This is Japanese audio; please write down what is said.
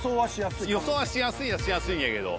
予想はしやすいはしやすいんやけど。